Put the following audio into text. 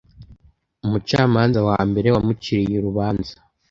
umucamanza wa mbere wamuciriye urubanza